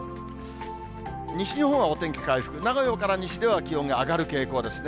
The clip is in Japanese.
西日本はお天気回復、名古屋から西では気温が上がる傾向ですね。